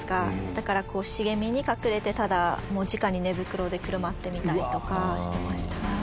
だから茂みに隠れてただじかに寝袋でくるまってみたりとかしてました。